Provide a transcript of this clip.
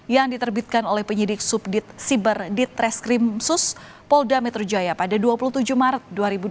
yang diterbitkan oleh penyidik subdit siber ditreskrim sus polda metro jaya pada dua puluh tujuh maret dua ribu dua puluh